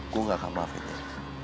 gue gak akan maafin ya